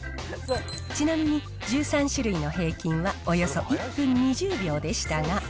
ちなみに、１３種類の平均はおよそ１分２０秒でしたが。